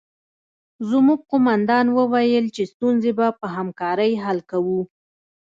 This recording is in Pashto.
زموږ قومندان وویل چې ستونزې به په همکارۍ حل کوو